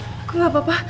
ri tadi kamu gak apa apa